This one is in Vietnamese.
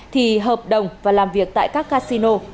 thì hợp đồng và làm việc tại các casino